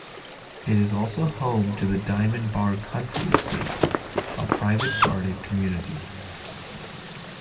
It is also home to the Diamond Bar Country Estates, a private guarded community.